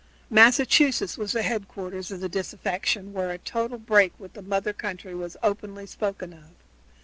Massachusetts was the headquarters of disaffection, and here a total break with the mother country was openly spoken of.